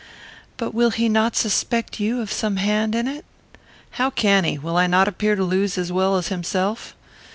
"But will he not suspect you of some hand in it?" "How can he? Will I not appear to lose as well as himself?